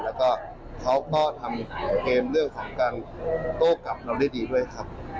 แล้วก็เขาก็ทำเกมเรื่องของการโต้กลับเราได้ดีด้วยครับ